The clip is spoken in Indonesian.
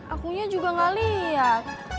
akunya juga gak lihat